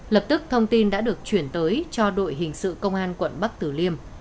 lập tức thông tin đã được chuyển tới cho đội hình sự công an quận bắc tử liêm